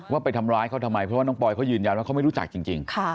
ไปทำร้ายเขาทำไมเพราะว่าน้องปอยเขายืนยันว่าเขาไม่รู้จักจริง